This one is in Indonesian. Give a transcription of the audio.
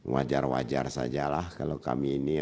wajar wajar sajalah kalau kami ini